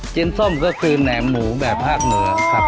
ส้มก็คือแหนมหมูแบบภาคเหนือครับ